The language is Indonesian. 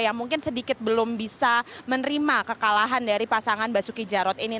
yang mungkin sedikit belum bisa menerima kekalahan dari pasangan basuki jarod ini